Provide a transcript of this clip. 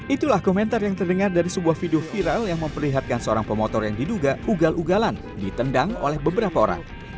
itulah komentar yang terdengar dari sebuah video viral yang memperlihatkan seorang pemotor yang diduga ugal ugalan ditendang oleh beberapa orang